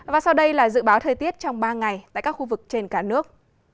và sau đây là dự báo thời tiết trong ba ngày tại các khu vực trên cả nước